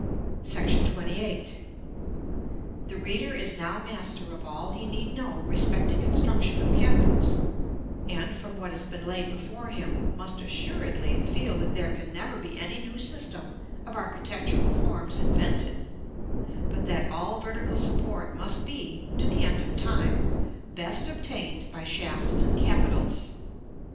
§ XXVIII. The reader is now master of all he need know respecting construction of capitals; and from what has been laid before him, must assuredly feel that there can never be any new system of architectural forms invented; but that all vertical support must be, to the end of time, best obtained by shafts and capitals.